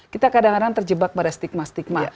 kita kadang kadang terjebak pada stigma stigma